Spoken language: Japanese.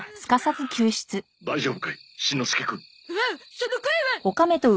その声は！